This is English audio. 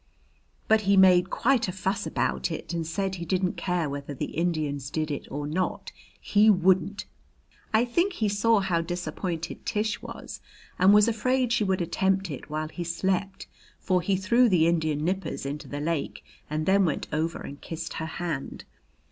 But he made quite a fuss about it, and said he didn't care whether the Indians did it or not, he wouldn't. I think he saw how disappointed Tish was and was afraid she would attempt it while he slept, for he threw the Indian nippers into the lake and then went over and kissed her hand.